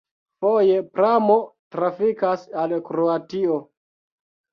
Foje pramo trafikas al Kroatio.